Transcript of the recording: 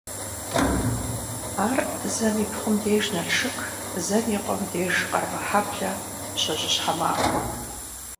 Ар зэм и пхъум деж Налшык, зэм и къуэм деж Къармэхьэблэ щожьыщхьэ махуэ.